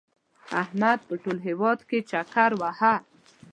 احمد په ټول هېواد کې چکر ووهه.